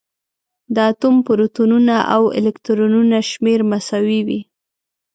د اتوم پروتونونه او الکترونونه شمېر مساوي وي.